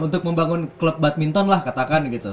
untuk membangun klub badminton lah katakan gitu